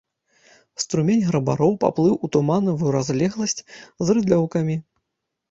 Струмень грабароў паплыў у тумановую разлегласць з рыдлёўкамі.